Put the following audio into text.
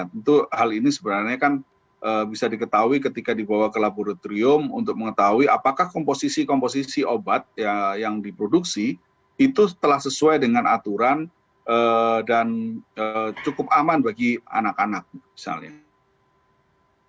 tentu hal ini sebenarnya kan bisa diketahui ketika dibawa ke laboratorium untuk mengetahui apakah komposisi komposisi obat yang diproduksi itu telah sesuai dengan aturan dan cukup aman bagi anak anak misalnya